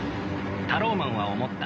タローマンは思った。